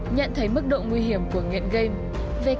nhận thấy mức độ nguy hiểm của nghiện game